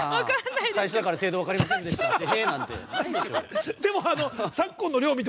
最初だから程度が分かりませんって。